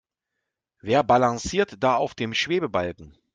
Wer balanciert da auf dem Schwebebalken?